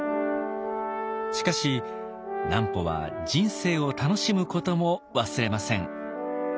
しかし南畝は人生を楽しむことも忘れません。